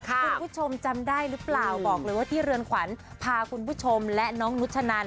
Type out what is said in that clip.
คุณผู้ชมจำได้หรือเปล่าบอกเลยว่าที่เรือนขวัญพาคุณผู้ชมและน้องนุชนัน